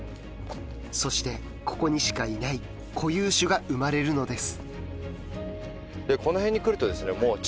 そしてここにしかいない固有種が生まれるのです。